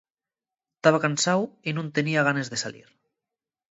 Taba cansáu y nun tenía ganes de salir.